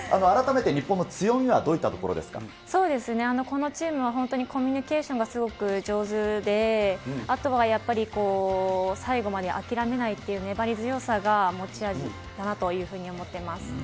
改めて日本の強みはどういっこのチームは本当にコミュニケーションがすごく上手で、あとはやっぱり、最後まで諦めないという粘り強さが持ち味だなっていうふうに思ってます。